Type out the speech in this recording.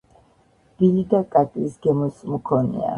რბილი და კაკლის გემოს მქონეა.